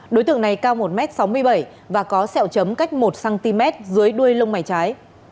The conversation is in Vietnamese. đối tượng này cao một m sáu mươi bảy và có sẹo chấm cách một cm dưới đuôi lông mày trái